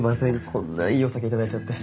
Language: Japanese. こんないいお酒頂いちゃって。